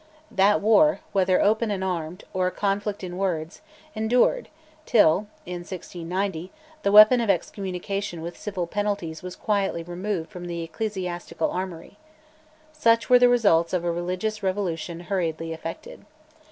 That war, whether open and armed, or a conflict in words, endured till, in 1690, the weapon of excommunication with civil penalties was quietly removed from the ecclesiastical armoury. Such were the results of a religious revolution hurriedly effected.